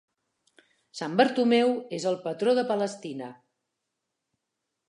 Sant Bartomeu és el patró de Palestina.